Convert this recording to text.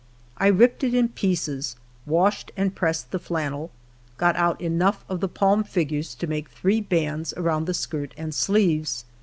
I ripped it in pieces, washed and pressed the flannel, got out enough of the palm tigures to make three bands around the skirt and sleeves.